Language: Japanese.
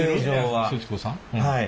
はい。